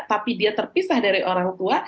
tapi dia terpisah dari orang tua